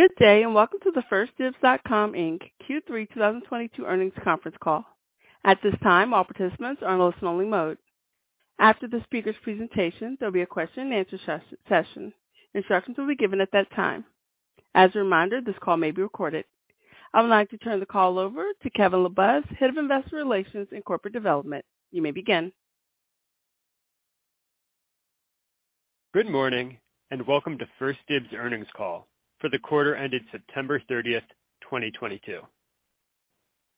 Good day, and welcome to the 1stDibs.com, Inc. Q3 2022 earnings conference call. At this time, all participants are in a listen only mode. After the speaker's presentation, there'll be a Question and answer session. Instructions will be given at that time. As a reminder, this call may be recorded. I would like to turn the call over to Kevin LaBuz, Head of Investor Relations and Corporate Development. You may begin. Good morning, and welcome to 1stDibs Earnings Call for the Quarter E+ nded September 30, 2022.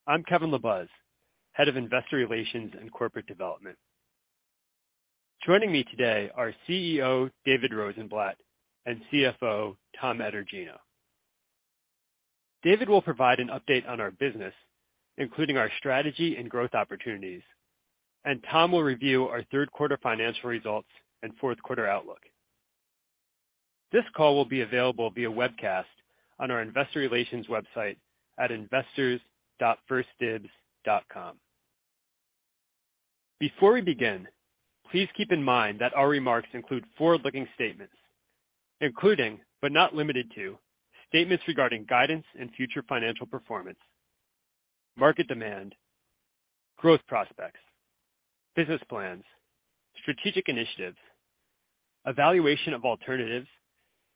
I'm Kevin LaBuz, Head of Investor Relations and Corporate Development. Joining me today are CEO David Rosenblatt and CFO Tom Etergino. David will provide an update on our business, including our strategy and growth opportunities, and Tom will review our third quarter financial results and fourth quarter outlook. This call will be available via webcast on our investor relations website at investors.1stdibs.com. Before we begin, please keep in mind that our remarks include forward-looking statements, including, but not limited to, statements regarding guidance and future financial performance, market demand, growth prospects, business plans, strategic initiatives, evaluation of alternatives,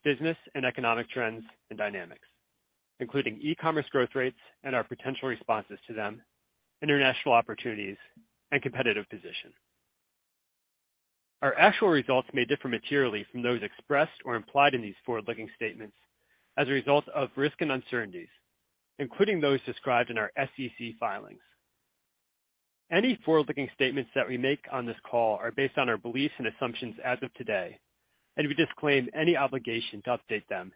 business and economic trends and dynamics, including e-commerce growth rates and our potential responses to them, international opportunities, and competitive position. Our actual results may differ materially from those expressed or implied in these forward-looking statements as a result of risks and uncertainties, including those described in our SEC filings. Any forward-looking statements that we make on this call are based on our beliefs and assumptions as of today, and we disclaim any obligation to update them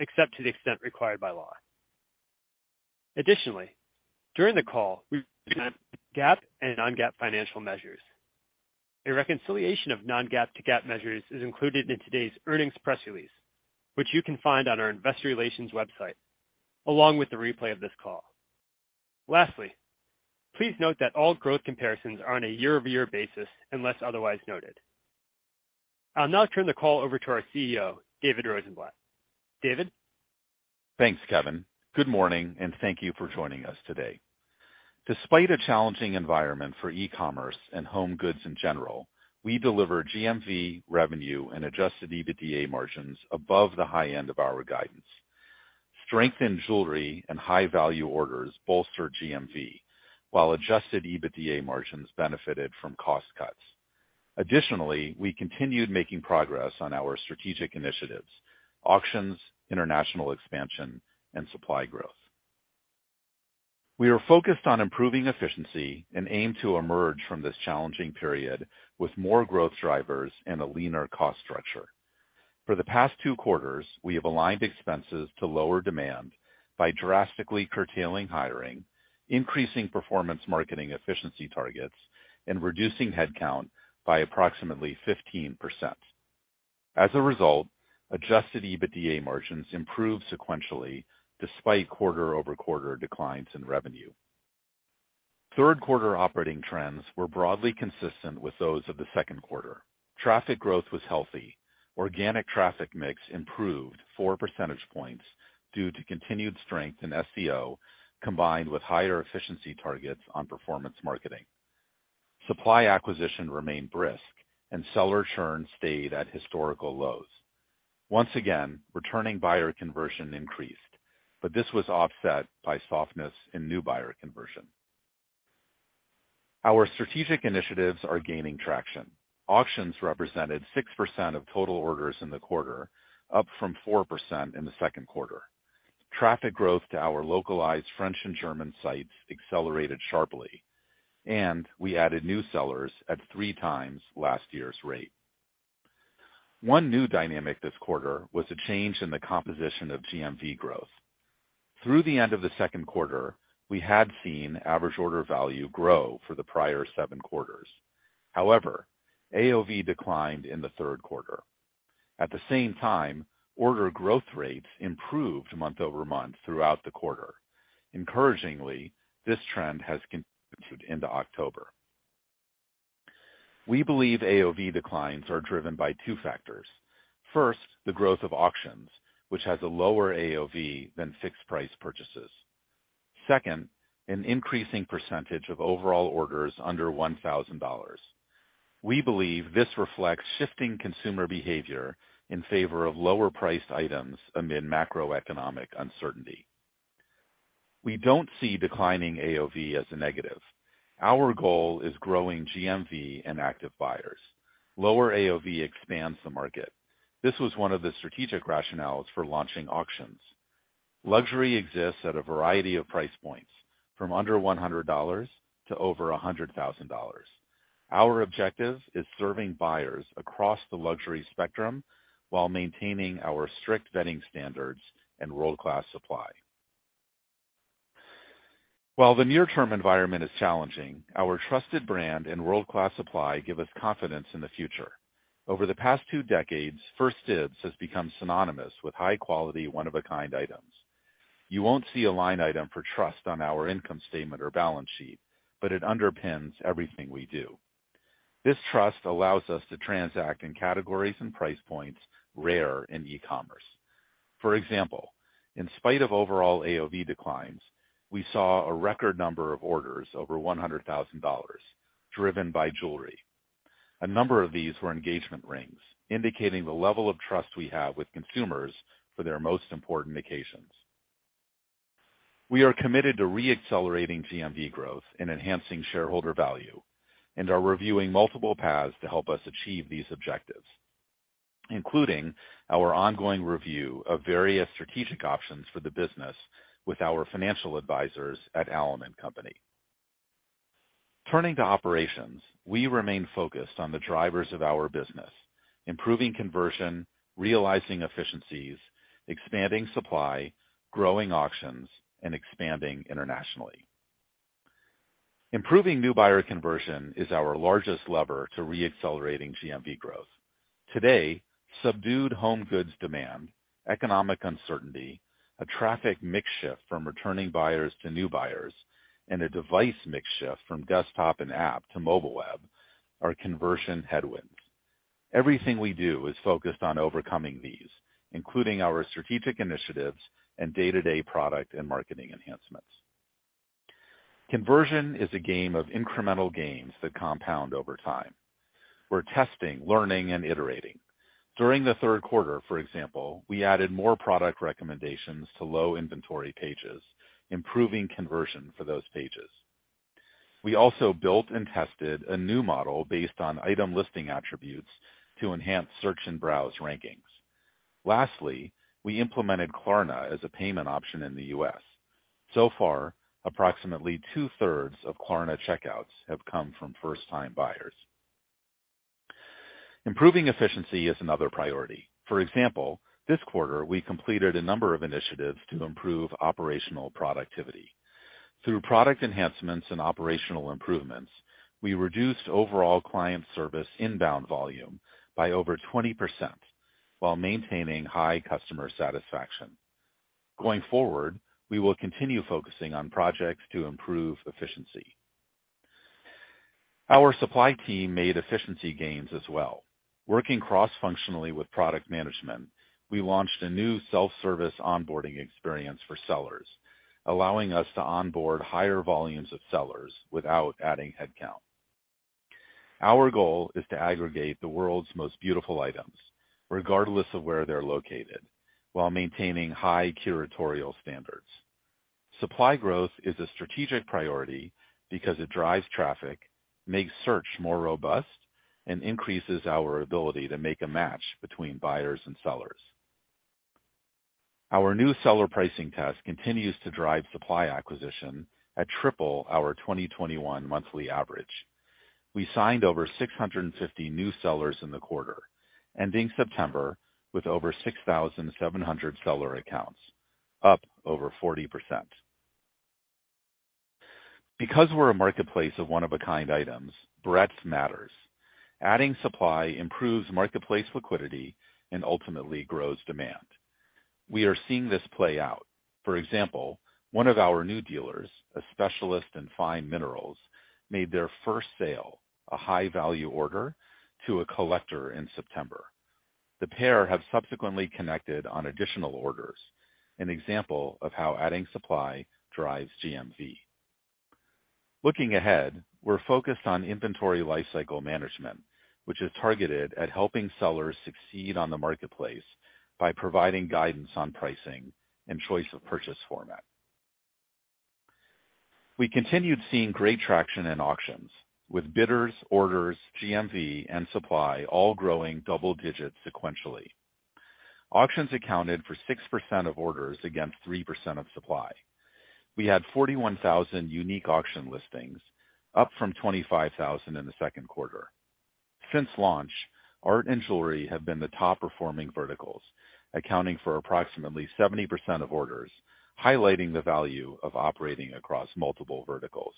except to the extent required by law. Additionally, during the call, we will discuss GAAP and non-GAAP financial measures. A reconciliation of non-GAAP to GAAP measures is included in today's earnings press release, which you can find on our investor relations website, along with the replay of this call. Lastly, please note that all growth comparisons are on a year-over-year basis unless otherwise noted. I'll now turn the call over to our CEO, David Rosenblatt. David? Thanks, Kevin. Good morning, and thank you for joining us today. Despite a challenging environment for e-commerce and home goods in general, we delivered GMV, revenue, and adjusted EBITDA margins above the high end of our guidance. Strength in jewelry and high-value orders bolstered GMV, while adjusted EBITDA margins benefited from cost cuts. Additionally, we continued making progress on our strategic initiatives, auctions, international expansion, and supply growth. We are focused on improving efficiency and aim to emerge from this challenging period with more growth drivers and a leaner cost structure. For the past two quarters, we have aligned expenses to lower demand by drastically curtailing hiring, increasing performance marketing efficiency targets, and reducing headcount by approximately 15%. As a result, adjusted EBITDA margins improved sequentially despite quarter-over-quarter declines in revenue. Third quarter operating trends were broadly consistent with those of the second quarter. Traffic growth was healthy. Organic traffic mix improved 4 percentage points due to continued strength in SEO combined with higher efficiency targets on performance marketing. Supply acquisition remained brisk, and seller churn stayed at historical lows. Once again, returning buyer conversion increased, but this was offset by softness in new buyer conversion. Our strategic initiatives are gaining traction. Auctions represented 6% of total orders in the quarter, up from 4% in the second quarter. Traffic growth to our localized French and German sites accelerated sharply, and we added new sellers at three times last year's rate. One new dynamic this quarter was a change in the composition of GMV growth. Through the end of the second quarter, we had seen average order value grow for the prior seven quarters. However, AOV declined in the third quarter. At the same time, order growth rates improved month-over-month throughout the quarter. Encouragingly, this trend has continued into October. We believe AOV declines are driven by two factors. First, the growth of auctions, which has a lower AOV than fixed price purchases. Second, an increasing percentage of overall orders under $1,000. We believe this reflects shifting consumer behavior in favor of lower priced items amid macroeconomic uncertainty. We don't see declining AOV as a negative. Our goal is growing GMV and active buyers. Lower AOV expands the market. This was one of the strategic rationales for launching auctions. Luxury exists at a variety of price points, from under $100 to over $100,000. Our objective is serving buyers across the luxury spectrum while maintaining our strict vetting standards and world-class supply. While the near term environment is challenging, our trusted brand and world-class supply give us confidence in the future. Over the past two decades, 1stDibs has become synonymous with high quality, one-of-a-kind items. You won't see a line item for trust on our income statement or balance sheet, but it underpins everything we do. This trust allows us to transact in categories and price points rare in e-commerce. For example, in spite of overall AOV declines, we saw a record number of orders over $100,000 driven by jewelry. A number of these were engagement rings, indicating the level of trust we have with consumers for their most important occasions. We are committed to re-accelerating GMV growth and enhancing shareholder value, and are reviewing multiple paths to help us achieve these objectives, including our ongoing review of various strategic options for the business with our financial advisors at Allen & Company. Turning to operations. We remain focused on the drivers of our business, improving conversion, realizing efficiencies, expanding supply, growing auctions, and expanding internationally. Improving new buyer conversion is our largest lever to re-accelerating GMV growth. Today, subdued home goods demand, economic uncertainty, a traffic mix shift from returning buyers to new buyers, and a device mix shift from desktop and app to mobile web are conversion headwinds. Everything we do is focused on overcoming these, including our strategic initiatives and day-to-day product and marketing enhancements. Conversion is a game of incremental gains that compound over time. We're testing, learning and iterating. During the third quarter, for example, we added more product recommendations to low inventory pages, improving conversion for those pages. We also built and tested a new model based on item listing attributes to enhance search and browse rankings. Lastly, we implemented Klarna as a payment option in the U.S. So far, approximately two-thirds of Klarna checkouts have come from first-time buyers. Improving efficiency is another priority. For example, this quarter we completed a number of initiatives to improve operational productivity. Through product enhancements and operational improvements, we reduced overall client service inbound volume by over 20% while maintaining high customer satisfaction. Going forward, we will continue focusing on projects to improve efficiency. Our supply team made efficiency gains as well. Working cross-functionally with product management, we launched a new self-service onboarding experience for sellers, allowing us to onboard higher volumes of sellers without adding headcount. Our goal is to aggregate the world's most beautiful items, regardless of where they're located, while maintaining high curatorial standards. Supply growth is a strategic priority because it drives traffic, makes search more robust, and increases our ability to make a match between buyers and sellers. Our new seller pricing test continues to drive supply acquisition at triple our 2021 monthly average. We signed over 650 new sellers in the quarter, ending September with over 6,700 seller accounts, up over 40%. Because we're a marketplace of one of a kind items, breadth matters. Adding supply improves marketplace liquidity and ultimately grows demand. We are seeing this play out. For example, one of our new dealers, a specialist in fine minerals, made their first sale, a high-value order, to a collector in September. The pair have subsequently connected on additional orders, an example of how adding supply drives GMV. Looking ahead, we're focused on inventory lifecycle management, which is targeted at helping sellers succeed on the marketplace by providing guidance on pricing and choice of purchase format. We continued seeing great traction in auctions with bidders, orders, GMV, and supply all growing double digits sequentially. Auctions accounted for 6% of orders against 3% of supply. We had 41,000 unique auction listings, up from 25,000 in the second quarter. Since launch, art and jewelry have been the top performing verticals, accounting for approximately 70% of orders, highlighting the value of operating across multiple verticals.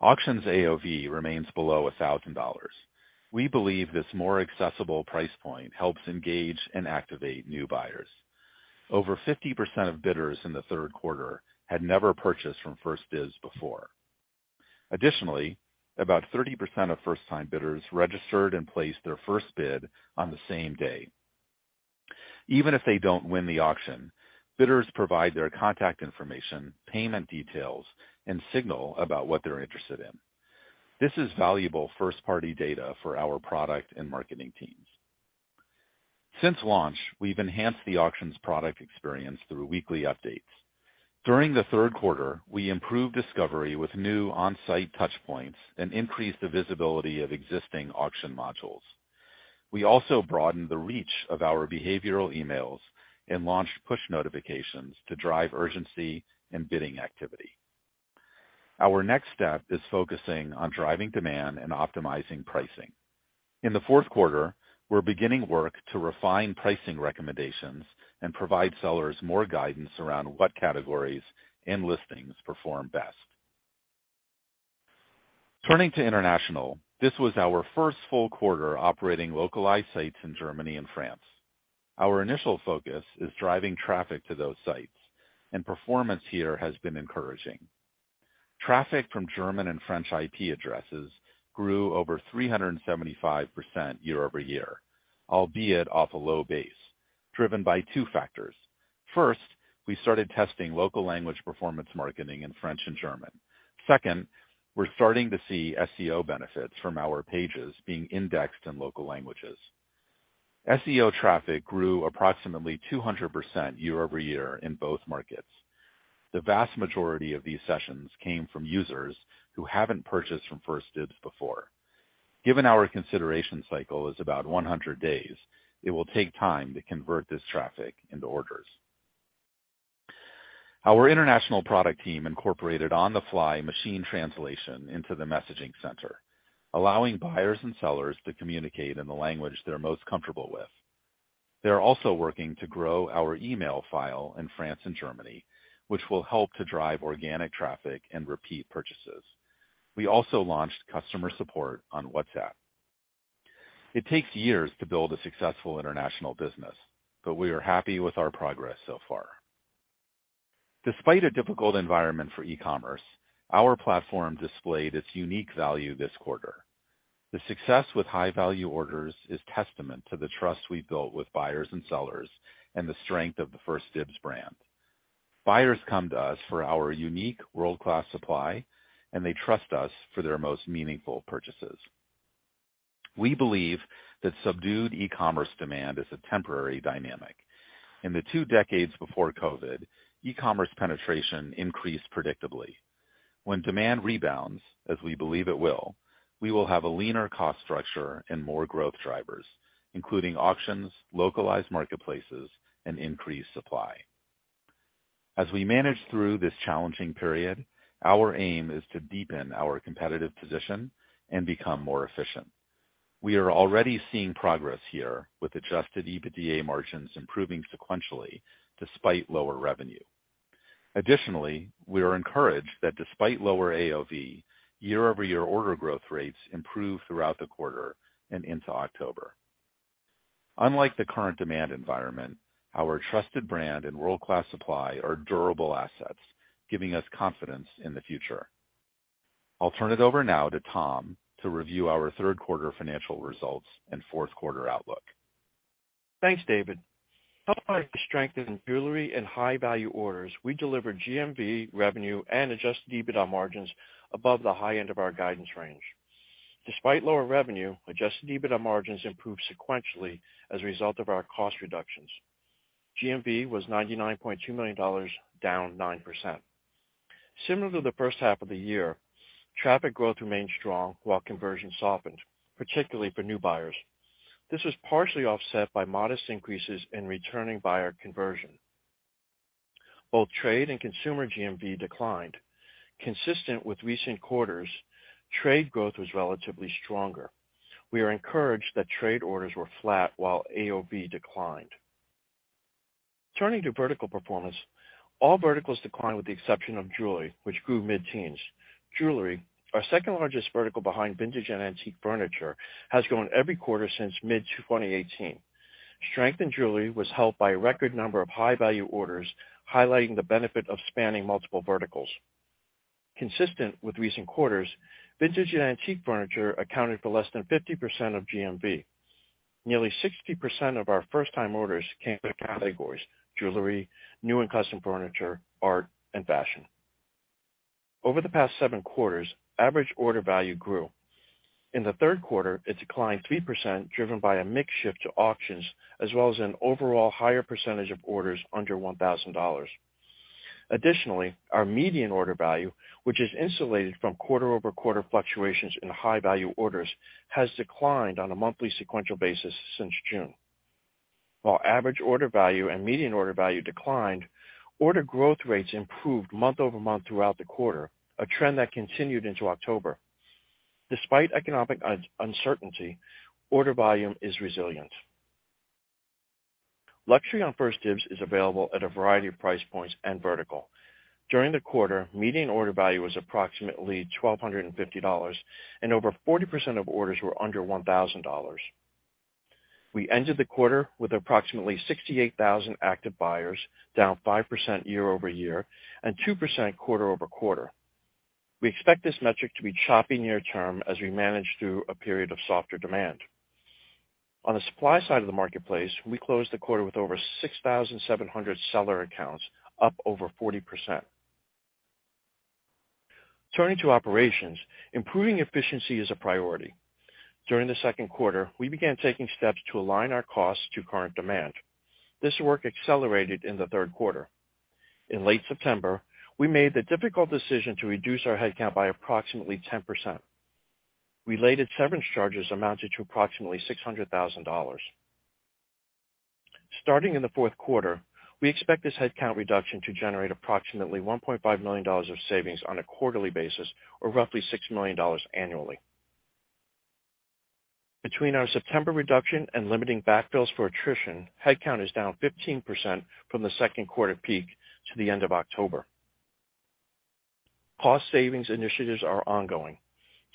Auctions AOV remains below $1,000. We believe this more accessible price point helps engage and activate new buyers. Over 50% of bidders in the third quarter had never purchased from 1stDibs before. Additionally, about 30% of first-time bidders registered and placed their first bid on the same day. Even if they don't win the auction, bidders provide their contact information, payment details, and signal about what they're interested in. This is valuable first-party data for our product and marketing teams. Since launch, we've enhanced the auctions product experience through weekly updates. During the third quarter, we improved discovery with new on-site touch points and increased the visibility of existing auction modules. We also broadened the reach of our behavioral emails and launched push notifications to drive urgency and bidding activity. Our next step is focusing on driving demand and optimizing pricing. In the fourth quarter, we're beginning work to refine pricing recommendations and provide sellers more guidance around what categories and listings perform best. Turning to international. This was our first full quarter operating localized sites in Germany and France. Our initial focus is driving traffic to those sites, and performance here has been encouraging. Traffic from German and French IP addresses grew over 375% year over year, albeit off a low base, driven by two factors. First, we started testing local language performance marketing in French and German. Second, we're starting to see SEO benefits from our pages being indexed in local languages. SEO traffic grew approximately 200% year over year in both markets. The vast majority of these sessions came from users who haven't purchased from 1stDibs before. Given our consideration cycle is about 100 days, it will take time to convert this traffic into orders. Our international product team incorporated on-the-fly machine translation into the messaging center, allowing buyers and sellers to communicate in the language they're most comfortable with. They're also working to grow our email file in France and Germany, which will help to drive organic traffic and repeat purchases. We also launched customer support on WhatsApp. It takes years to build a successful international business, but we are happy with our progress so far. Despite a difficult environment for e-commerce, our platform displayed its unique value this quarter. The success with high-value orders is testament to the trust we've built with buyers and sellers and the strength of the 1stDibs brand. Buyers come to us for our unique world-class supply, and they trust us for their most meaningful purchases. We believe that subdued e-commerce demand is a temporary dynamic. In the two decades before COVID, e-commerce penetration increased predictably. When demand rebounds, as we believe it will, we will have a leaner cost structure and more growth drivers, including auctions, localized marketplaces, and increased supply. As we manage through this challenging period, our aim is to deepen our competitive position and become more efficient. We are already seeing progress here with adjusted EBITDA margins improving sequentially despite lower revenue. Additionally, we are encouraged that despite lower AOV, year-over-year order growth rates improved throughout the quarter and into October. Unlike the current demand environment, our trusted brand and world-class supply are durable assets, giving us confidence in the future. I'll turn it over now to Tom to review our third quarter financial results and fourth quarter outlook. Thanks, David. Powered by the strength in jewelry and high-value orders, we delivered GMV revenue and adjusted EBITDA margins above the high end of our guidance range. Despite lower revenue, adjusted EBITDA margins improved sequentially as a result of our cost reductions. GMV was $99.2 million, down 9%. Similar to the first half of the year, traffic growth remained strong while conversion softened, particularly for new buyers. This was partially offset by modest increases in returning buyer conversion. Both trade and consumer GMV declined. Consistent with recent quarters, trade growth was relatively stronger. We are encouraged that trade orders were flat while AOV declined. Turning to vertical performance, all verticals declined with the exception of jewelry, which grew mid-teens. Jewelry, our second-largest vertical behind vintage and antique furniture, has grown every quarter since mid-2018. Strength in jewelry was held by a record number of high-value orders, highlighting the benefit of spanning multiple verticals. Consistent with recent quarters, vintage and antique furniture accounted for less than 50% of GMV. Nearly 60% of our first-time orders came from categories jewelry, new and custom furniture, art, and fashion. Over the past 7 quarters, average order value grew. In the third quarter, it declined 3%, driven by a mix shift to auctions, as well as an overall higher percentage of orders under $1,000. Additionally, our median order value, which is insulated from quarter-over-quarter fluctuations in high-value orders, has declined on a monthly sequential basis since June. While average order value and median order value declined, order growth rates improved month-over-month throughout the quarter, a trend that continued into October. Despite economic uncertainty, order volume is resilient. Luxury on 1stDibs is available at a variety of price points and vertical. During the quarter, median order value was approximately $1,250, and over 40% of orders were under $1,000. We ended the quarter with approximately 68,000 active buyers, down 5% year-over-year, and 2% quarter-over-quarter. We expect this metric to be choppy near-term as we manage through a period of softer demand. On the supply side of the marketplace, we closed the quarter with over 6,700 seller accounts, up over 40%. Turning to operations, improving efficiency is a priority. During the second quarter, we began taking steps to align our costs to current demand. This work accelerated in the third quarter. In late September, we made the difficult decision to reduce our headcount by approximately 10%. Related severance charges amounted to approximately $600 thousand. Starting in the fourth quarter, we expect this headcount reduction to generate approximately $1.5 million of savings on a quarterly basis or roughly $6 million annually. Between our September reduction and limiting backfills for attrition, headcount is down 15% from the second quarter peak to the end of October. Cost savings initiatives are ongoing.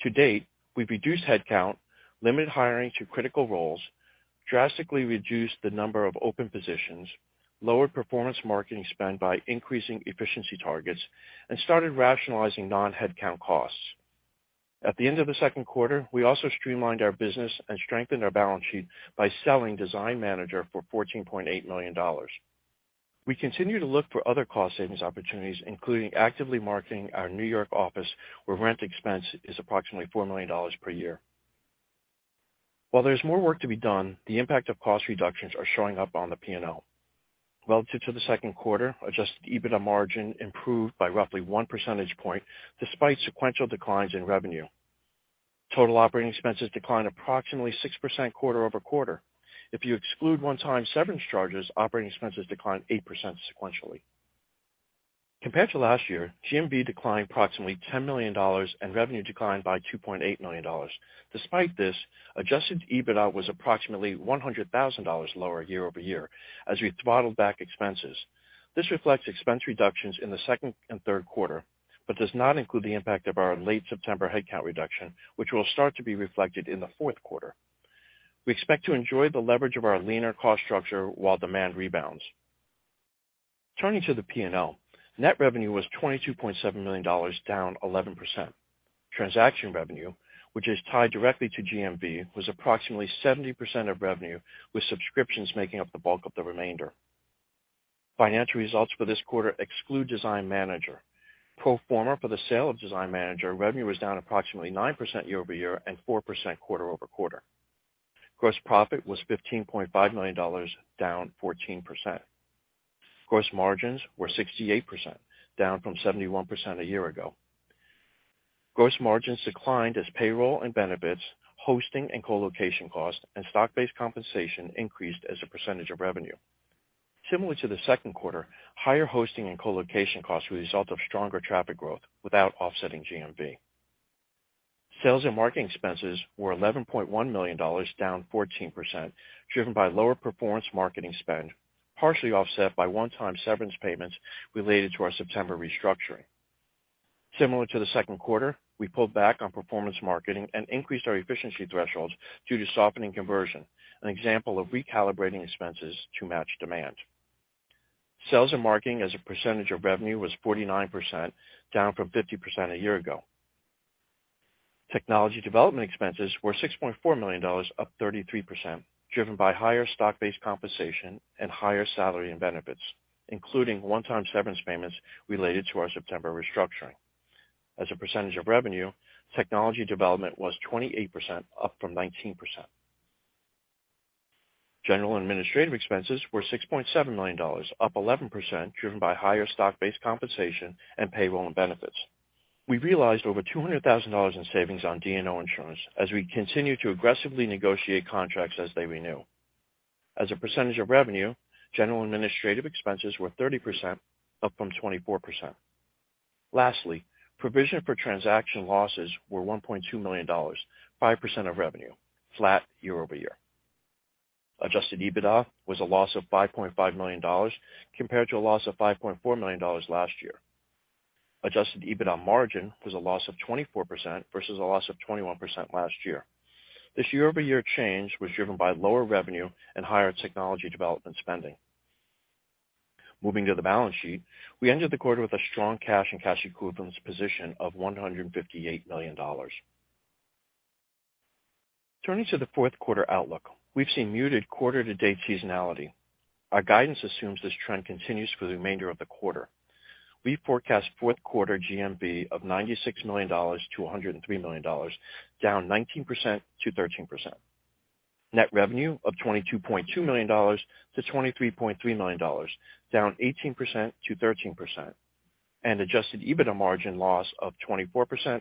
To date, we've reduced headcount, limited hiring to critical roles, drastically reduced the number of open positions, lowered performance marketing spend by increasing efficiency targets, and started rationalizing non-headcount costs. At the end of the second quarter, we also streamlined our business and strengthened our balance sheet by selling Design Manager for $14.8 million. We continue to look for other cost savings opportunities, including actively marketing our New York office, where rent expense is approximately $4 million per year. While there's more work to be done, the impact of cost reductions are showing up on the P&L. Relative to the second quarter, adjusted EBITDA margin improved by roughly 1 percentage point despite sequential declines in revenue. Total operating expenses declined approximately 6% quarter-over-quarter. If you exclude one-time severance charges, operating expenses declined 8% sequentially. Compared to last year, GMV declined approximately $10 million, and revenue detoclined by $2.8 million. Despite this, adjusted EBITDA was approximately $100 thousand lower year-over-year as we throttled back expenses. This reflects expense reductions in the second and third quarter, but does not include the impact of our late September headcount reduction, which will start to be reflected in the fourth quarter. We expect to enjoy the leverage of our leaner cost structure while demand rebounds. Turning to the P&L, net revenue was $22.7 million, down 11%. Transaction revenue, which is tied directly to GMV, was approximately 70% of revenue, with subscriptions making up the bulk of the remainder. Financial results for this quarter exclude Design Manager. Pro forma for the sale of Design Manager, revenue was down approximately 9% year-over-year and 4% quarter-over-quarter. Gross profit was $15.5 million, down 14%. Gross margins were 68%, down from 71% a year ago. Gross margins declined as payroll and benefits, hosting and co-location costs, and stock-based compensation increased as a percentage of revenue. Similar to the second quarter, higher hosting and co-location costs were the result of stronger traffic growth without offsetting GMV. Sales and marketing expenses were $11.1 million, down 14%, driven by lower performance marketing spend, partially offset by one-time severance payments related to our September restructuring. Similar to the second quarter, we pulled back on performance marketing and increased our efficiency thresholds due to softening conversion, an example of recalibrating expenses to match demand. Sales and marketing as a percentage of revenue was 49%, down from 50% a year ago. Technology development expenses were $6.4 million, up 33%, driven by higher stock-based compensation and higher salary and benefits, including one-time severance payments related to our September restructuring. As a percentage of revenue, technology development was 28%, up from 19%. General and administrative expenses were $6.7 million, up 11% driven by higher stock-based compensation and payroll and benefits. We realized over $200,000 in savings on D&O insurance as we continue to aggressively negotiate contracts as they renew. As a percentage of revenue, general and administrative expenses were 30%, up from 24%. Lastly, provision for transaction losses were $1.2 million, 5% of revenue, flat year-over-year. Adjusted EBITDA was a loss of $5.5 million compared to a loss of $5.4 million last year. Adjusted EBITDA margin was a loss of 24% versus a loss of 21% last year. This year-over-year change was driven by lower revenue and higher technology development spending. Moving to the balance sheet, we ended the quarter with a strong cash and cash equivalents position of $158 million. Turning to the fourth quarter outlook, we've seen muted quarter-to-date seasonality. Our guidance assumes this trend continues for the remainder of the quarter. We forecast fourth quarter GMV of $96 million-$103 million, down 19%-13%. Net revenue of $22.2 million-$23.3 million, down 18%-13%. Adjusted EBITDA margin loss of 24%-20%.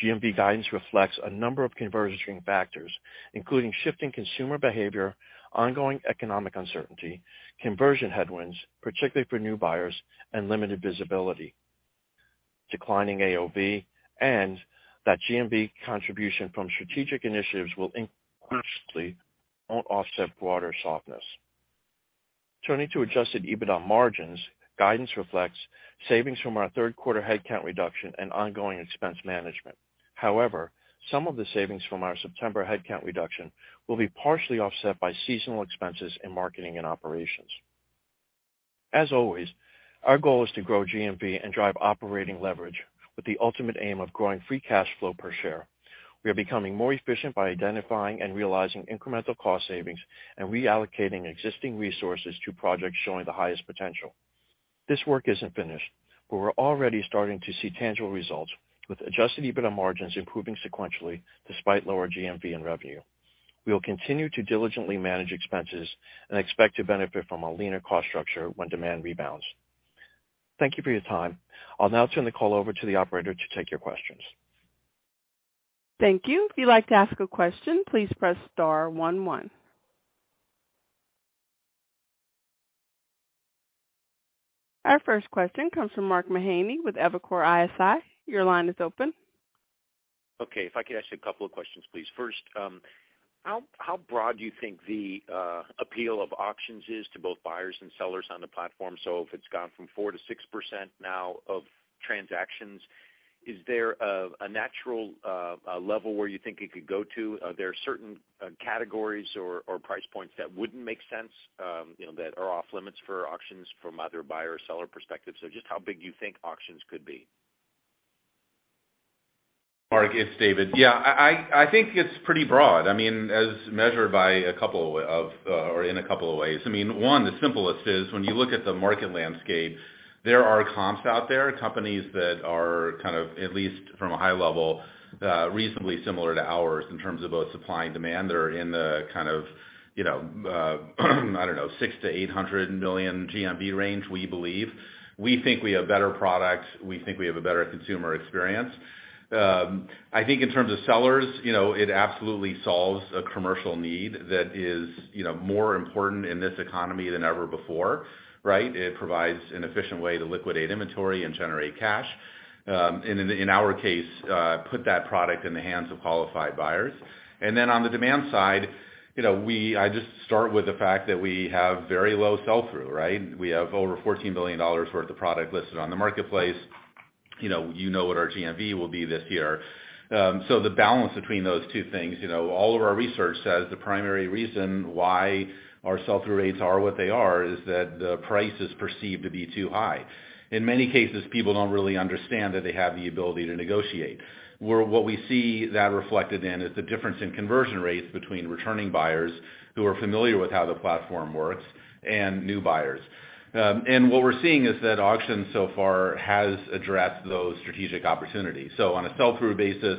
GMV guidance reflects a number of converging factors, including shifting consumer behavior, ongoing economic uncertainty, conversion headwinds, particularly for new buyers and limited visibility, declining AOV, and that GMV contribution from strategic initiatives will increasingly won't offset broader softness. Turning to adjusted EBITDA margins, guidance reflects savings from our third quarter headcount reduction and ongoing expense management. However, some of the savings from our September headcount reduction will be partially offset by seasonal expenses in marketing and operations. As always, our goal is to grow GMV and drive operating leverage with the ultimate aim of growing free cash flow per share. We are becoming more efficient by identifying and realizing incremental cost savings and reallocating existing resources to projects showing the highest potential. This work isn't finished, but we're already starting to see tangible results with adjusted EBITDA margins improving sequentially despite lower GMV and revenue. We will continue to diligently manage expenses and expect to benefit from a leaner cost structure when demand rebounds. Thank you for your time. I'll now turn the call over to the operator to take your questions. Thank you. If you'd like to ask a question, please press star one one. Our first question comes from Mark Mahaney with Evercore ISI. Your line is open. Okay. If I could ask you a couple of questions, please. First, how broad do you think the appeal of auctions is to both buyers and sellers on the platform? If it's gone from 4%-6% now of transactions, is there a natural level where you think it could go to? Are there certain categories or price points that wouldn't make sense, you know, that are off limits for auctions from either buyer or seller perspective? Just how big do you think auctions could be? Mark, it's David. Yeah, I think it's pretty broad. I mean, as measured by a couple of or in a couple of ways. I mean, one, the simplest is when you look at the market landscape, there are comps out there, companies that are kind of, at least from a high level, reasonably similar to ours in terms of both supply and demand. They're in the kind of, you know, I don't know, 600-800 million GMV range, we believe. We think we have better products. We think we have a better consumer experience. I think in terms of sellers, you know, it absolutely solves a commercial need that is, you know, more important in this economy than ever before, right? It provides an efficient way to liquidate inventory and generate cash. In our case, put that product in the hands of qualified buyers. On the demand side, you know, I just start with the fact that we have very low sell-through, right? We have over $14 billion worth of product listed on the marketplace. You know what our GMV will be this year. The balance between those two things, you know, all of our research says the primary reason why our sell-through rates are what they are is that the price is perceived to be too high. In many cases, people don't really understand that they have the ability to negotiate. Where what we see that reflected in is the difference in conversion rates between returning buyers who are familiar with how the platform works and new buyers. What we're seeing is that auctions so far has addressed those strategic opportunities. On a sell-through basis,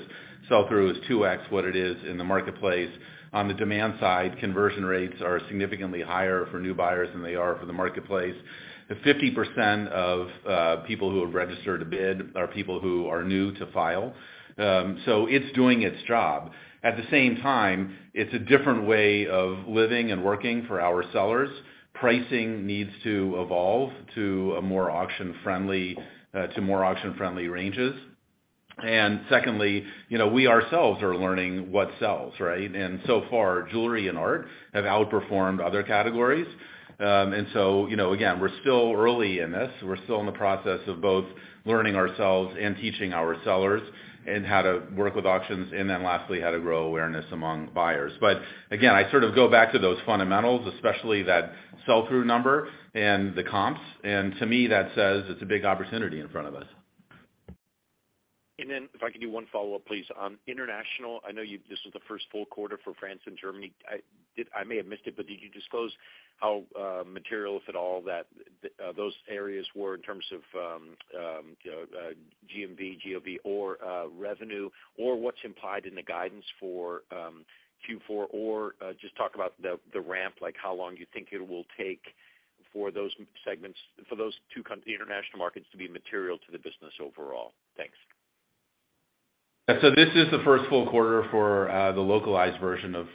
sell-through is 2x what it is in the marketplace. On the demand side, conversion rates are significantly higher for new buyers than they are for the marketplace. 50% of people who have registered a bid are people who are new to 1stDibs. It's doing its job. At the same time, it's a different way of living and working for our sellers. Pricing needs to evolve to more auction-friendly ranges. Secondly, you know, we ourselves are learning what sells, right? So far, jewelry and art have outperformed other categories. You know, again, we're still early in this. We're still in the process of both learning ourselves and teaching our sellers in how to work with auctions and then lastly, how to grow awareness among buyers. Again, I sort of go back to those fundamentals, especially that sell-through number and the comps. To me, that says it's a big opportunity in front of us. Then if I could do one follow-up, please. On international, I know this is the first full quarter for France and Germany. I may have missed it, but did you disclose how material, if at all, that those areas were in terms of GMV, GOV or revenue or what's implied in the guidance for Q4 or just talk about the ramp, like how long you think it will take for those segments, for those two country international markets to be material to the business overall. Thanks. This is the first full quarter for the localized version of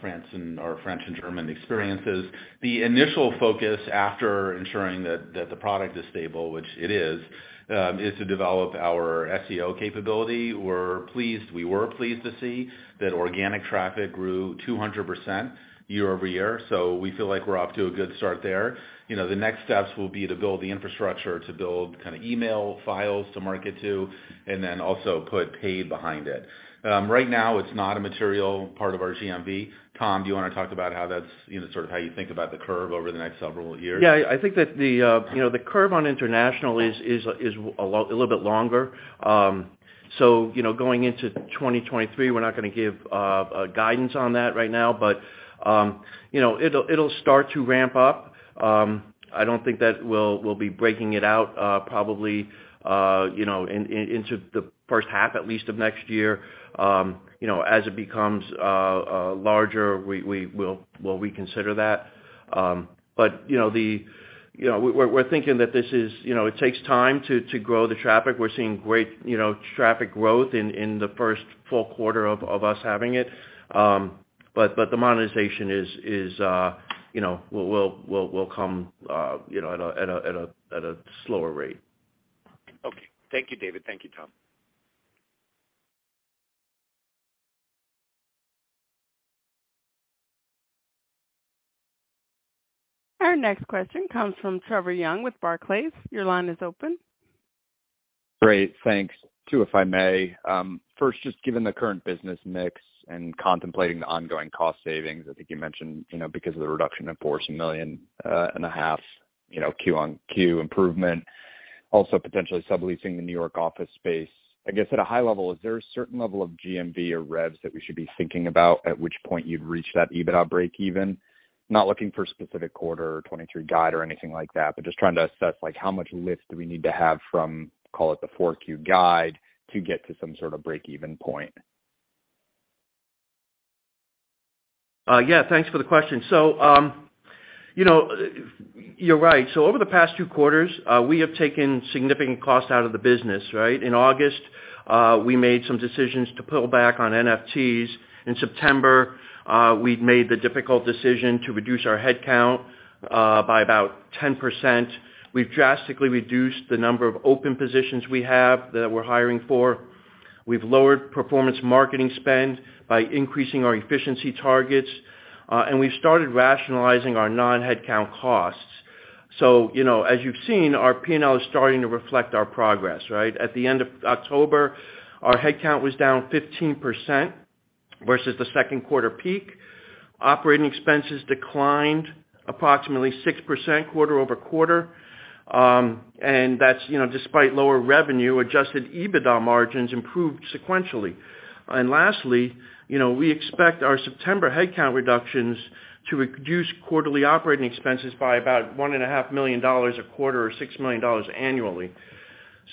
France and/or French and German experiences. The initial focus after ensuring that the product is stable, which it is to develop our SEO capability. We were pleased to see that organic traffic grew 200% year-over-year. We feel like we're off to a good start there. You know, the next steps will be to build the infrastructure, to build kind of email files to market to, and then also put paid behind it. Right now, it's not a material part of our GMV. Tom, do you wanna talk about how that's, you know, sort of how you think about the curve over the next several years? Yeah. I think that the, you know, the curve on international is a little bit longer. So, you know, going into 2023, we're not gonna give guidance on that right now. But, you know, it'll start to ramp up. I don't think that we'll be breaking it out, probably, you know, into the first half, at least of next year. You know, as it becomes larger, we'll reconsider that. But, you know, we're thinking that this is, you know, it takes time to grow the traffic. We're seeing great, you know, traffic growth in the first full quarter of us having it. The monetization is, you know, will come, you know, at a slower rate. Okay. Thank you, David. Thank you, Tom. Our next question comes from Trevor Young with Barclays. Your line is open. Great. Thanks. Two, if I may. First, just given the current business mix and contemplating the ongoing cost savings, I think you mentioned, you know, because of the reduction in $4.5 million, you know, quarter-over-quarter improvement, also potentially subleasing the New York office space. I guess at a high level, is there a certain level of GMV or revs that we should be thinking about at which point you'd reach that EBITDA breakeven? Not looking for a specific quarter or 2023 guide or anything like that, but just trying to assess, like how much lift do we need to have from, call it the 4Q guide to get to some sort of breakeven point. Yeah, thanks for the question. You know, you're right. Over the past 2 quarters, we have taken significant costs out of the business, right? In August, we made some decisions to pull back on NFTs. In September, we've made the difficult decision to reduce our headcount by about 10%. We've drastically reduced the number of open positions we have that we're hiring for. We've lowered performance marketing spend by increasing our efficiency targets, and we've started rationalizing our non-headcount costs. You know, as you've seen, our P&L is starting to reflect our progress, right? At the end of October, our headcount was down 15% versus the second quarter peak. Operating expenses declined approximately 6% quarter-over-quarter, and that's, you know, despite lower revenue, adjusted EBITDA margins improved sequentially. Last, you know, we expect our September headcount reductions to reduce quarterly operating expenses by about $1.5 million a quarter or $6 million annually.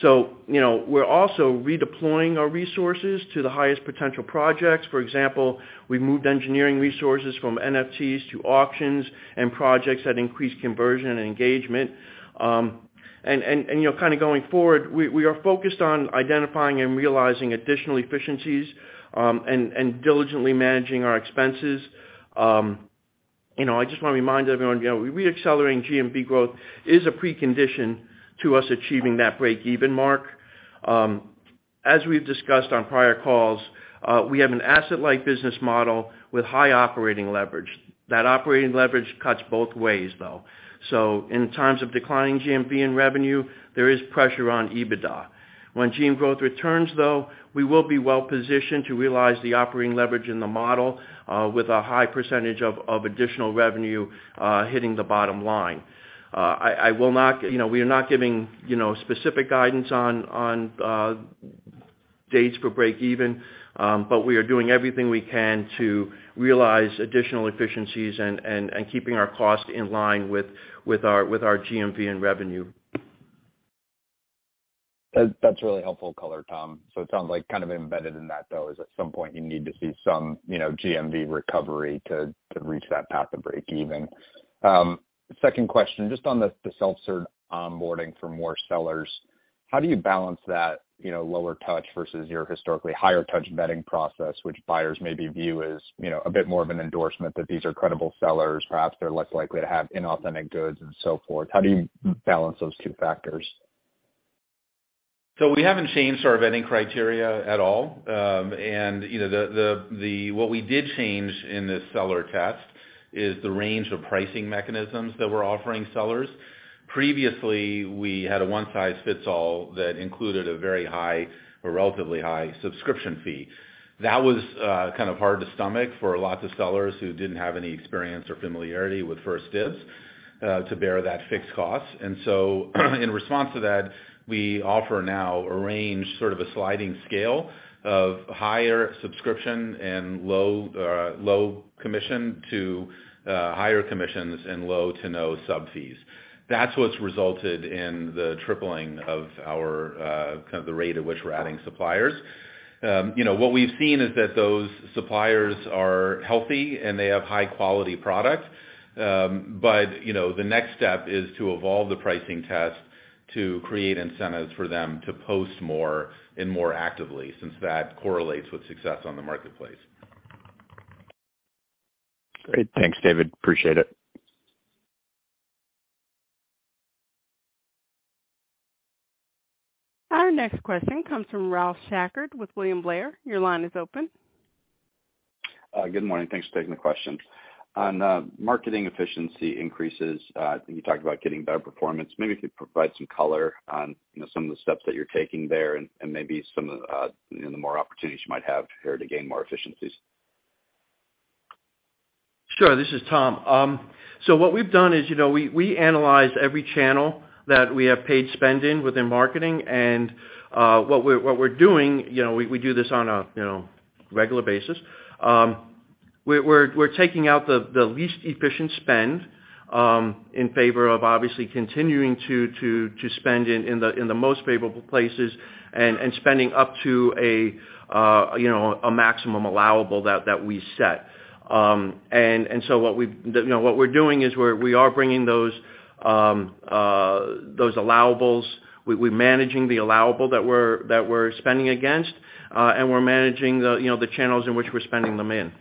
You know, we're also redeploying our resources to the highest potential projects. For example, we've moved engineering resources from NFTs to auctions and projects that increase conversion and engagement. You know, kind of going forward, we are focused on identifying and realizing additional efficiencies and diligently managing our expenses. You know, I just wanna remind everyone, you know, re-accelerating GMV growth is a precondition to us achieving that break-even mark. As we've discussed on prior calls, we have an asset-like business model with high operating leverage. That operating leverage cuts both ways, though. In times of declining GMV and revenue, there is pressure on EBITDA. When GMV growth returns, though, we will be well positioned to realize the operating leverage in the model, with a high percentage of additional revenue hitting the bottom line. You know, we are not giving, you know, specific guidance on dates for break even, but we are doing everything we can to realize additional efficiencies and keeping our cost in line with our GMV and revenue. That's a really helpful color, Tom. It sounds like kind of embedded in that, though, is at some point you need to see some, you know, GMV recovery to reach that path to break even. Second question, just on the self-serve onboarding for more sellers, how do you balance that, you know, lower touch versus your historically higher touch vetting process, which buyers maybe view as, you know, a bit more of an endorsement that these are credible sellers, perhaps they're less likely to have inauthentic goods and so forth. How do you balance those two factors? We haven't changed our vetting criteria at all. What we did change in this seller test is the range of pricing mechanisms that we're offering sellers. Previously, we had a one size fits all that included a very high or relatively high subscription fee. That was kind of hard to stomach for lots of sellers who didn't have any experience or familiarity with 1stDibs to bear that fixed cost. In response to that, we offer now a range, sort of a sliding scale of higher subscription and low commission to higher commissions and low to no sub fees. That's what's resulted in the tripling of our kind of the rate at which we're adding suppliers. What we've seen is that those suppliers are healthy, and they have high quality product. you know, the next step is to evolve the pricing test to create incentives for them to post more and more actively, since that correlates with success on the marketplace. Great. Thanks, David. Appreciate it. Our next question comes from Ralph Schackart with William Blair. Your line is open. Good morning. Thanks for taking the questions. On marketing efficiency increases, you talked about getting better performance. Maybe if you provide some color on, you know, some of the steps that you're taking there and maybe some of the, you know, the more opportunities you might have here to gain more efficiencies? Sure. This is Tom. What we've done is, you know, we analyze every channel that we have paid spend in within marketing and what we're doing, you know, we do this on a regular basis. We're taking out the least efficient spend, in favor of obviously continuing to spend in the most favorable places and spending up to a maximum allowable that we set. What we're doing is we are bringing those allowables. We're managing the allowable that we're spending against, and we're managing the, you know, channels in which we're spending them in.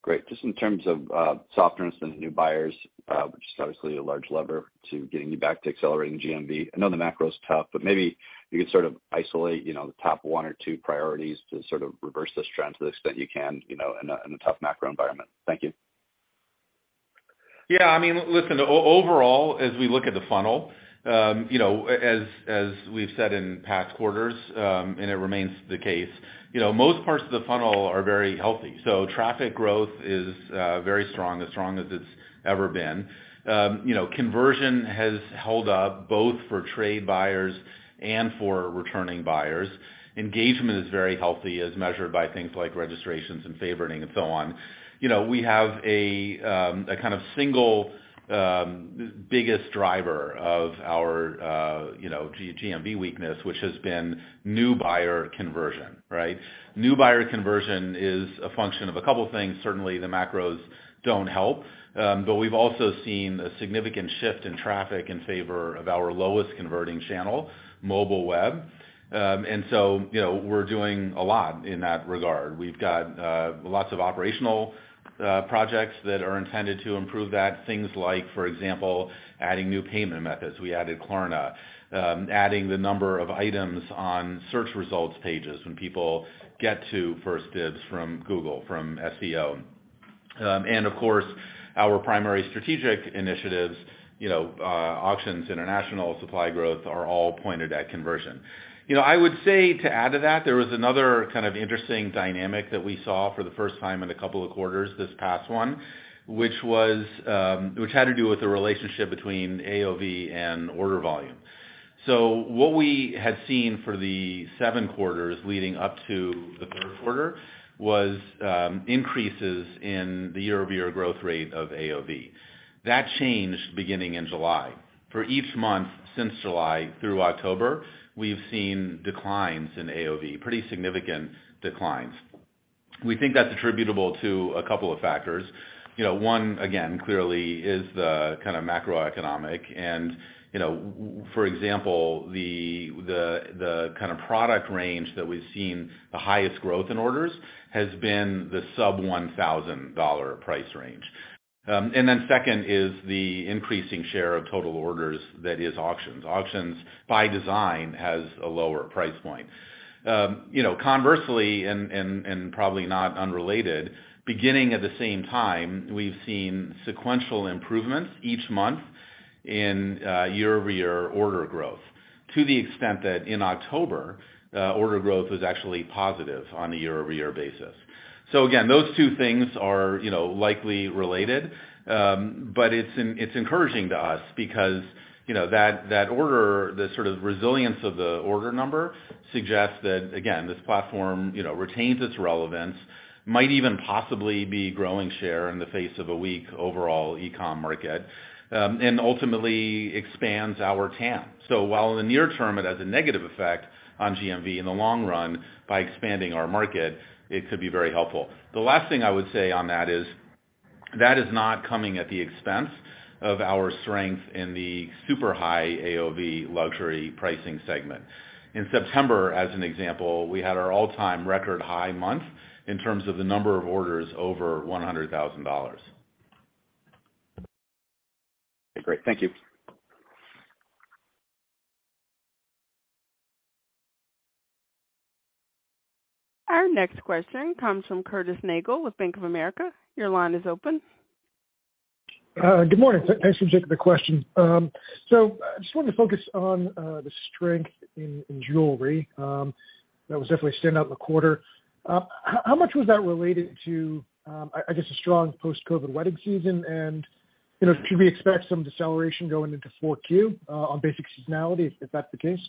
Great. Just in terms of softer in spend of new buyers, which is obviously a large lever to getting you back to accelerating GMV. I know the macro is tough, but maybe you could sort of isolate, you know, the top one or two priorities to sort of reverse this trend to the extent you can, you know, in a tough macro environment. Thank you. Yeah. I mean, listen, overall, as we look at the funnel, you know, as we've said in past quarters, and it remains the case, you know, most parts of the funnel are very healthy. Traffic growth is very strong, as strong as it's ever been. You know, conversion has held up both for trade buyers and for returning buyers. Engagement is very healthy as measured by things like registrations and favoriting and so on. You know, we have a kind of single biggest driver of our, you know, GMV weakness, which has been new buyer conversion, right? New buyer conversion is a function of a couple things. Certainly, the macros don't help, but we've also seen a significant shift in traffic in favor of our lowest converting channel, mobile web. You know, we're doing a lot in that regard. We've got lots of operational projects that are intended to improve that. Things like, for example, adding new payment methods. We added Klarna. Adding the number of items on search results pages when people get to 1stDibs from Google, from FBO. Of course, our primary strategic initiatives, you know, auctions, international supply growth, are all pointed at conversion. You know, I would say to add to that, there was another kind of interesting dynamic that we saw for the first time in a couple of quarters this past one, which had to do with the relationship between AOV and order volume. What we had seen for the seven quarters leading up to the third quarter was increases in the year-over-year growth rate of AOV. That changed beginning in July. For each month since July through October, we've seen declines in AOV, pretty significant declines. We think that's attributable to a couple of factors. You know, one, again, clearly is the kind of macroeconomic and, you know, for example, the kind of product range that we've seen the highest growth in orders has been the sub-$1,000 price range. Then second is the increasing share of total orders that is auctions. Auctions, by design, has a lower price point. You know, conversely, and probably not unrelated, beginning at the same time, we've seen sequential improvements each month in year-over-year order growth. To the extent that in October, order growth was actually positive on a year-over-year basis. Again, those two things are, you know, likely related, but it's encouraging to us because, you know, that order, the sort of resilience of the order number suggests that, again, this platform, you know, retains its relevance, might even possibly be growing share in the face of a weak overall e-com market, and ultimately expands our TAM. While in the near term, it has a negative effect on GMV in the long run, by expanding our market, it could be very helpful. The last thing I would say on that is that is not coming at the expense of our strength in the super high AOV luxury pricing segment. In September, as an example, we had our all-time record high month in terms of the number of orders over $100,000. Great. Thank you. Our next question comes from Curtis Nagle with Bank of America. Your line is open. Good morning. Thanks for taking the question. I just wanted to focus on the strength in jewelry that was definitely standing out in the quarter. How much was that related to, I guess, a strong post-COVID wedding season? You know, should we expect some deceleration going into 4Q on basic seasonality if that's the case?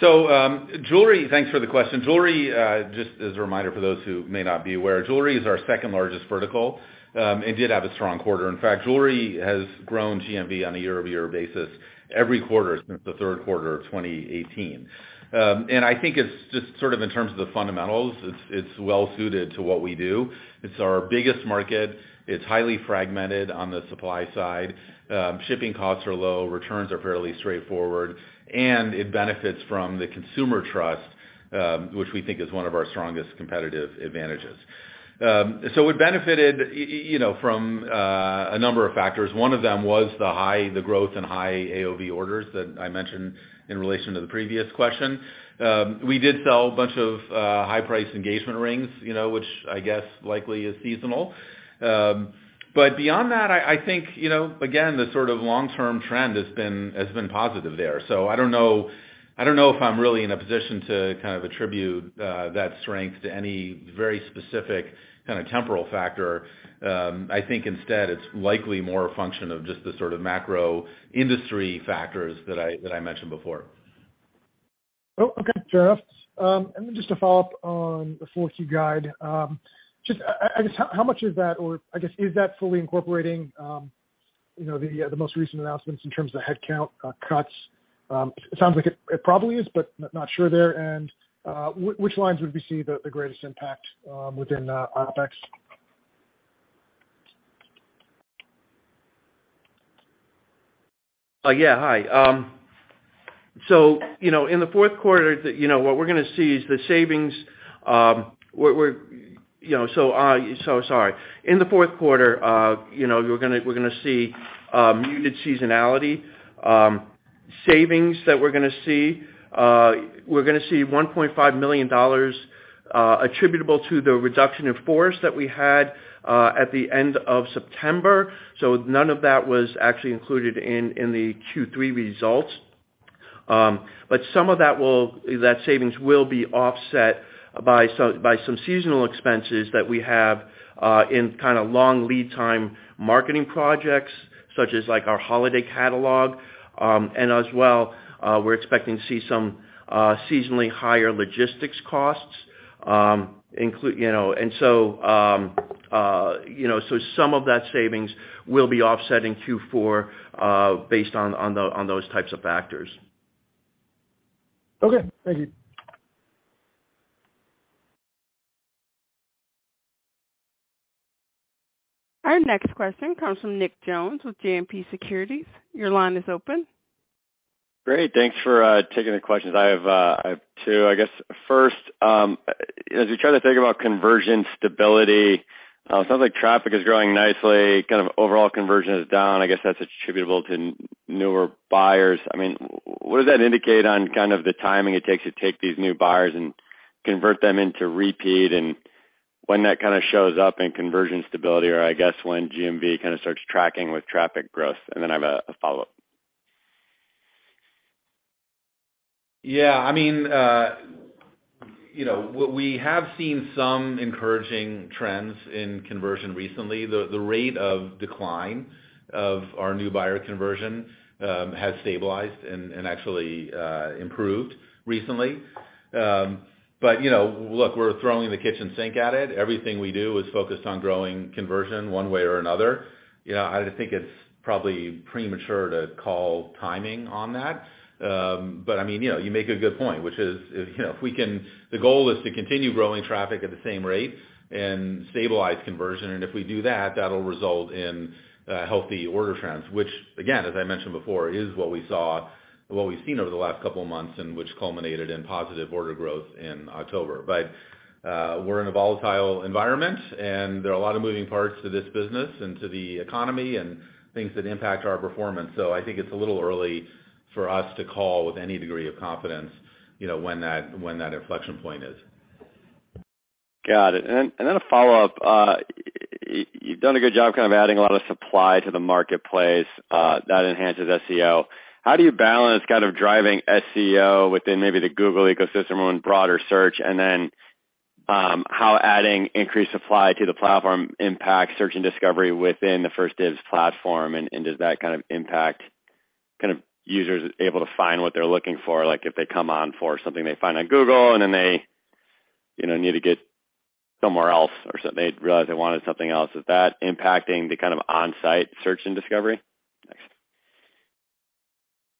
Thanks for the question. Jewelry, just as a reminder for those who may not be aware, jewelry is our second largest vertical and did have a strong quarter. In fact, jewelry has grown GMV on a year-over-year basis every quarter since the third quarter of 2018. I think it's just sort of in terms of the fundamentals, it's well suited to what we do. It's our biggest market. It's highly fragmented on the supply side. Shipping costs are low, returns are fairly straightforward, and it benefits from the consumer trust, which we think is one of our strongest competitive advantages. It benefited, you know, from a number of factors. One of them was the growth and high AOV orders that I mentioned in relation to the previous question. We did sell a bunch of high-priced engagement rings, you know, which I guess likely is seasonal. Beyond that, I think, you know, again, the sort of long-term trend has been positive there. I don't know if I'm really in a position to kind of attribute that strength to any very specific kind of temporal factor. I think instead it's likely more a function of just the sort of macro industry factors that I mentioned before. Oh, okay. Fair enough. Then just to follow up on the Q4 guide, I guess, how much is that? Or I guess, is that fully incorporating, you know, the most recent announcements in terms of headcount cuts? It sounds like it probably is, but not sure there. Which lines would we see the greatest impact within OpEx? In the fourth quarter, you know, we're gonna see muted seasonality, savings that we're gonna see. We're gonna see $1.5 million attributable to the reduction in force that we had at the end of September. None of that was actually included in the Q3 results. Some of that savings will be offset by some seasonal expenses that we have in kinda long lead time marketing projects, such as like our holiday catalog, and as well, we're expecting to see some seasonally higher logistics costs. you know, so some of that savings will be offset in Q4 based on those types of factors. Okay. Thank you. Our next question comes from Nick Jones with JMP Securities. Your line is open. Great. Thanks for taking the questions. I have two, I guess. First, as we try to think about conversion stability, sounds like traffic is growing nicely, kind of overall conversion is down. I guess that's attributable to newer buyers. I mean, what does that indicate on kind of the timing it takes to take these new buyers and convert them into repeat, and when that kinda shows up in conversion stability, or I guess when GMV kinda starts tracking with traffic growth? Then I have a follow-up. Yeah, I mean, you know, what we have seen some encouraging trends in conversion recently. The rate of decline of our new buyer conversion has stabilized and actually improved recently. You know, look, we're throwing the kitchen sink at it. Everything we do is focused on growing conversion one way or another. You know, I just think it's probably premature to call timing on that. I mean, you know, you make a good point, which is, you know, the goal is to continue growing traffic at the same rate and stabilize conversion. If we do that'll result in healthy order trends, which again, as I mentioned before, is what we saw, what we've seen over the last couple of months and which culminated in positive order growth in October. We're in a volatile environment, and there are a lot of moving parts to this business and to the economy and things that impact our performance. I think it's a little early for us to call with any degree of confidence, you know, when that inflection point is. Got it. A follow-up. You've done a good job kind of adding a lot of supply to the marketplace, that enhances SEO. How do you balance kind of driving SEO within maybe the Google ecosystem on broader search? How adding increased supply to the platform impacts search and discovery within the 1stDibs platform, and does that kind of impact kind of users able to find what they're looking for? Like, if they come on for something they find on Google, and then they, you know, need to get somewhere else or they realize they wanted something else. Is that impacting the kind of on-site search and discovery?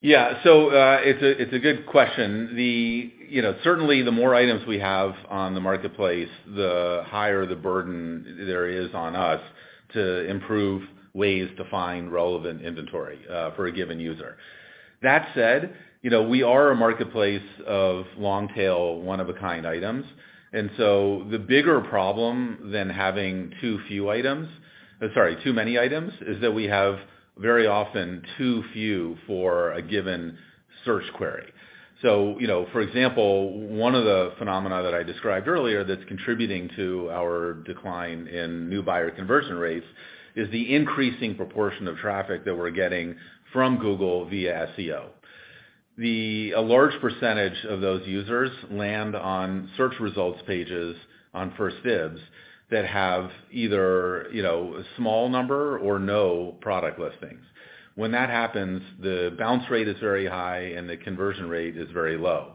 Thanks. Yeah. It's a good question. You know, certainly the more items we have on the marketplace, the higher the burden there is on us to improve ways to find relevant inventory for a given user. That said, you know, we are a marketplace of long tail, one of a kind items. The bigger problem than having too few items, or sorry, too many items, is that we have very often too few for a given search query. You know, for example, one of the phenomena that I described earlier that's contributing to our decline in new buyer conversion rates is the increasing proportion of traffic that we're getting from Google via SEO. A large percentage of those users land on search results pages on 1stDibs that have either, you know, a small number or no product listings. When that happens, the bounce rate is very high and the conversion rate is very low.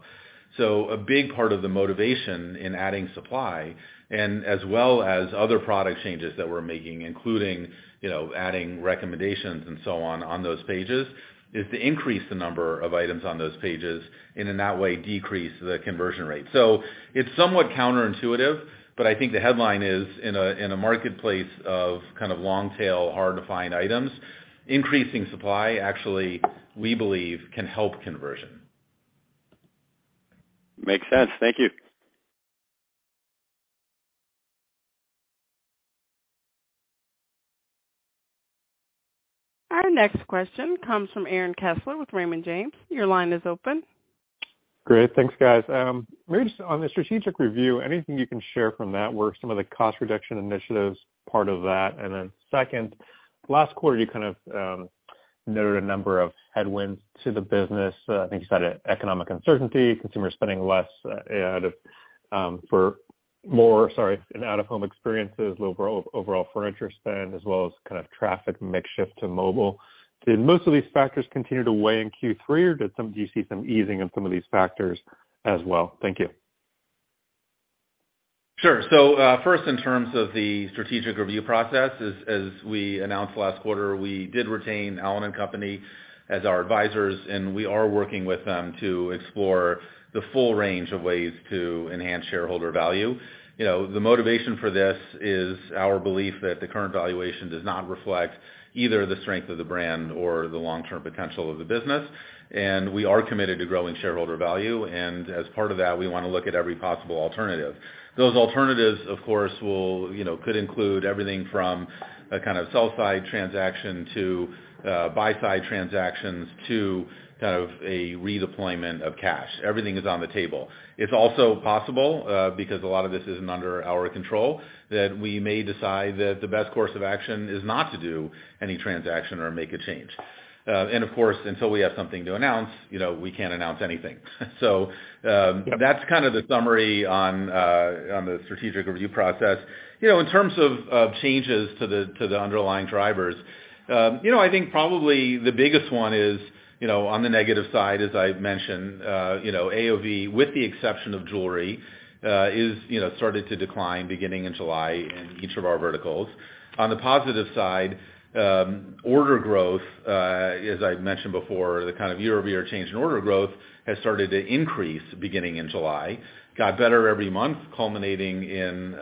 A big part of the motivation in adding supply and as well as other product changes that we're making, including, you know, adding recommendations and so on on those pages, is to increase the number of items on those pages and in that way decrease the bounce rate. It's somewhat counterintuitive, but I think the headline is, in a marketplace of kind of long tail, hard to find items, increasing supply, actually, we believe, can help conversion. Makes sense. Thank you. Our next question comes from Aaron Kessler with Raymond James. Your line is open. Great. Thanks, guys. Maybe just on the strategic review, anything you can share from that? Were some of the cost reduction initiatives part of that? Second, last quarter, you kind of noted a number of headwinds to the business. I think you said economic uncertainty, consumer spending less in out-of-home experiences, low overall furniture spend, as well as kind of traffic mix shift to mobile. Did most of these factors continue to weigh in Q3, or do you see some easing in some of these factors as well? Thank you. Sure. First, in terms of the strategic review process, as we announced last quarter, we did retain Allen & Company as our advisors, and we are working with them to explore the full range of ways to enhance shareholder value. You know, the motivation for this is our belief that the current valuation does not reflect either the strength of the brand or the long-term potential of the business. We are committed to growing shareholder value. As part of that, we wanna look at every possible alternative. Those alternatives, of course, will, you know, could include everything from a kind of sell-side transaction to buy-side transactions to kind of a redeployment of cash. Everything is on the table. It's also possible, because a lot of this isn't under our control, that we may decide that the best course of action is not to do any transaction or make a change. Of course, until we have something to announce, you know, we can't announce anything. That's kind of the summary on the strategic review process. You know, in terms of changes to the underlying drivers, I think probably the biggest one is on the negative side, as I've mentioned, AOV, with the exception of jewelry, is started to decline beginning in July in each of our verticals. On the positive side, order growth, as I've mentioned before, the kind of year-over-year change in order growth has started to increase beginning in July. Got better every month, culminating in,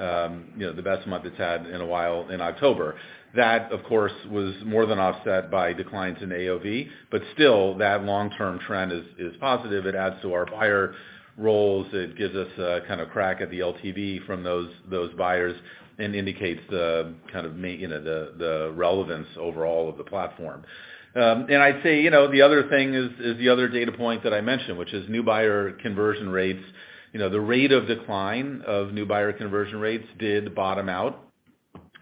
you know, the best month it's had in a while in October. That, of course, was more than offset by declines in AOV, but still, that long-term trend is positive. It adds to our buyer rolls. It gives us a kind of crack at the LTV from those buyers and indicates the kind of you know the relevance overall of the platform. I'd say, you know, the other thing is the other data point that I mentioned, which is new buyer conversion rates. You know, the rate of decline of new buyer conversion rates did bottom out.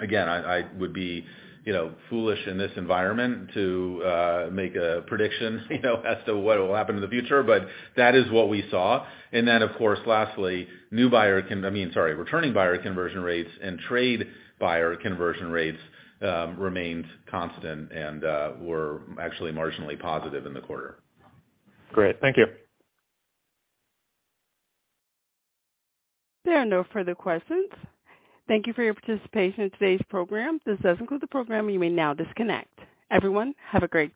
Again, I would be, you know, foolish in this environment to make a prediction, you know, as to what will happen in the future, but that is what we saw. Of course, lastly, returning buyer conversion rates and trade buyer conversion rates remained constant and were actually marginally positive in the quarter. Great. Thank you. There are no further questions. Thank you for your participation in today's program. This does conclude the program. You may now disconnect. Everyone, have a great day.